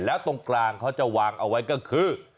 แล้วตรงกลางเขาจะวางเอาไว้ก็คือ